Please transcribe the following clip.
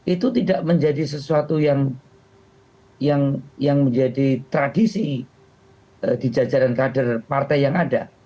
itu tidak menjadi sesuatu yang menjadi tradisi di jajaran kader partai yang ada